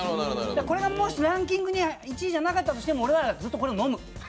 これがもしランキング１位じゃなかったとしても俺はずっとこれを飲む！